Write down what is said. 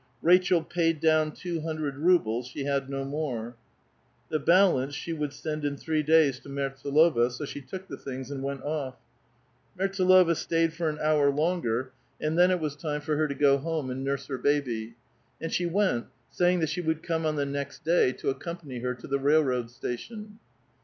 Rachel paid down two hundred rubles ; she had no more ; the balance she would send in three days to Mertsdlova : so she took the things and went off. Mertsdlova stayed for an hour longer, and then it was 294 A VITAL QUESTION, time for her to go home and nurse her baby ; and she went, saying that she would come on the .next day to accompany lier to the railroad station.